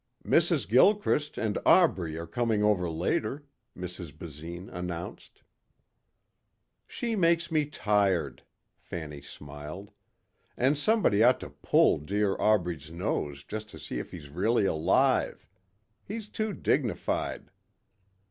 "Mrs. Gilchrist and Aubrey are coming over later," Mrs. Basine announced. "She makes me tired," Fanny smiled. "And somebody ought to pull dear Aubrey's nose just to see if he's really alive. He's too dignified."